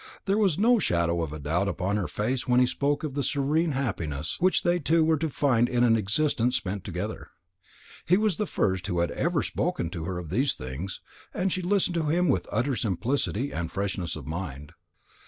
There was no shadow of doubt upon her face when he spoke of the serene happiness which they two were to find in an existence spent together. He was the first who had ever spoken to her of these things, and she listened to him with an utter simplicity and freshness of mind.